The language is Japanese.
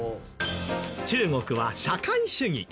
中国は社会主義。